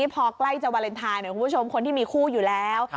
พอใกล้จะวาเลนไทยคุณผู้ชมคนที่มีคู่อยู่แล้ว